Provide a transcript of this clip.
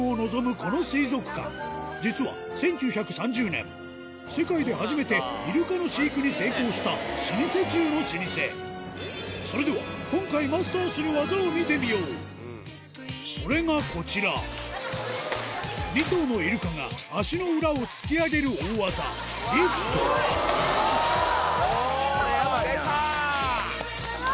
この水族館実は１９３０年世界で初めてイルカの飼育に成功した老舗中の老舗それでは今回それがこちら２頭のイルカが足の裏を突き上げる大技おぉ！